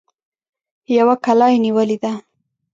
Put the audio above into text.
يوه کلا يې نيولې ده.